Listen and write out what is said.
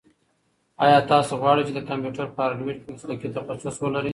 ایا تاسو غواړئ چې د کمپیوټر په هارډویر کې مسلکي تخصص ولرئ؟